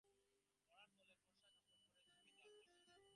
পরাণ বলে, ফরসা কাপড় পরে তুমি তবে যাচ্ছ কোথা?